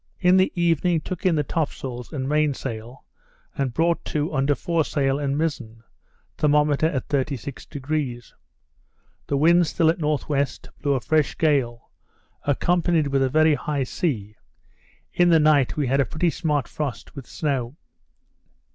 In the evening, took in the top sails and main sail, and brought to under fore sail and mizzen; thermometer at 36°. The wind still at N.W. blew a fresh gale, accompanied with a very high sea. In the night had a pretty smart frost with snow.